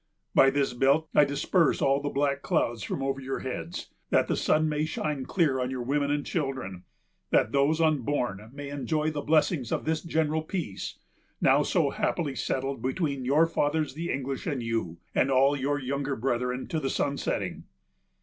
"By this belt I disperse all the black clouds from over your heads, that the sun may shine clear on your women and children, that those unborn may enjoy the blessings of this general peace, now so happily settled between your fathers the English and you, and all your younger brethren to the sunsetting.